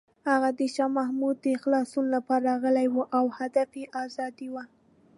هغه د شاه محمود د خلاصون لپاره راغلی و او هدف یې ازادي وه.